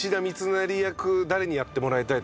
誰にやってもらいたい。